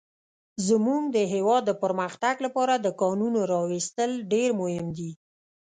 زموږ د هيواد د پرمختګ لپاره د کانونو راويستل ډير مهم دي.